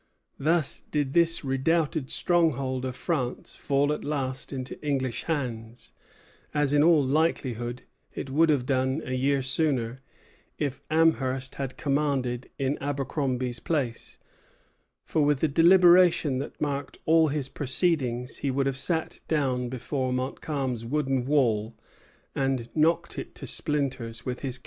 Thus did this redoubted stronghold of France fall at last into English hands, as in all likelihood it would have done a year sooner, if Amherst had commanded in Abercromby's place; for, with the deliberation that marked all his proceedings, he would have sat down before Montcalm's wooden wall and knocked it to splinters with his cannon.